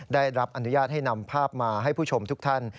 ได้รับอนุญาตให้นำภาพมาให้ผู้ชมทุกท่าน